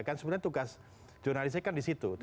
kan sebenarnya tugas jurnalisnya kan di situ